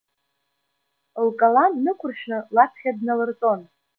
Лкалам нықәыршәны лаԥхьа дналыртәон.